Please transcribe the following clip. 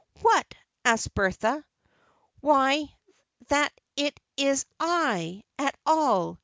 "What?" asked Bertha. "Why, that it is I, at all.